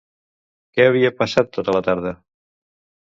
Què havia passat tota la tarda?